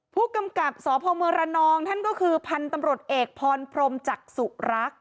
ผู้กำกับสพเมืองระนองท่านก็คือพันธุ์ตำรวจเอกพรพรมจักษุรักษ์